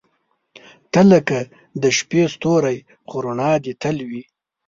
• ته لکه د شپې ستوری، خو رڼا دې تل وي.